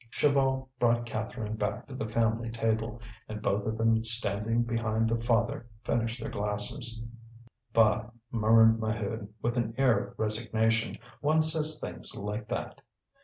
Chaval brought Catherine back to the family table, and both of them standing behind the father finished their glasses. "Bah!" murmured Maheude, with an air of resignation, "one says things like that